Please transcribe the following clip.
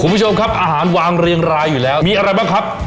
คุณผู้ชมครับอาหารวางเรียงรายอยู่แล้วมีอะไรบ้างครับ